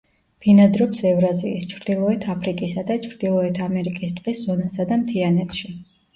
ბინადრობს ევრაზიის, ჩრდილოეთ აფრიკისა და ჩრდილოეთ ამერიკის ტყის ზონასა და მთიანეთში.